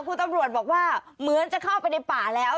คุณตำรวจบอกว่าเหมือนจะเข้าไปในป่าแล้ว